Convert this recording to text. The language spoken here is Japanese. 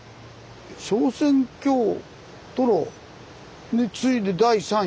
昇仙峡に次いで第３位。